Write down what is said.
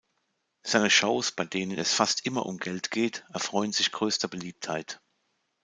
Seine Shows, bei denen es fast immer um Geld geht, erfreuen sich größter Beliebtheit.